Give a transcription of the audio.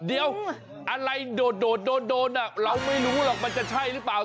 เดี๋ยวอะไรโดดโดนเราไม่รู้หรอกมันจะใช่หรือเปล่า